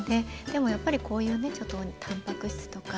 でもやっぱりこういうねちょっとたんぱく質とか。